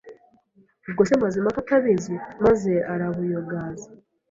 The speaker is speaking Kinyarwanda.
ubwo se Mazimpaka atabizi, maze arabuyogoza;